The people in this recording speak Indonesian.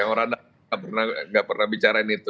orang orang tidak pernah bicara itu